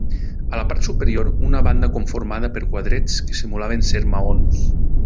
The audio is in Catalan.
A la part superior una banda conformada per quadrets que simulaven ser maons.